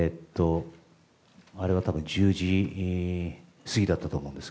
あれは多分、５日の１０時過ぎだったと思います。